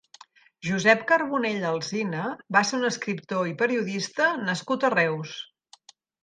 Josep Carbonell Alsina va ser un esciptor i periodista nascut a Reus.